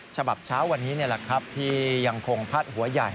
ฉบับเช้าวันนี้ที่ยังคงพัดหัวใหญ่